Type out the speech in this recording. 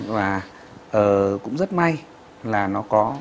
và cũng rất may là nó có